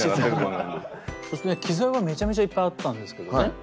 機材はめちゃめちゃいっぱいあったんですけどね